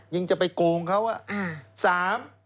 ยังจะไปโกงเขา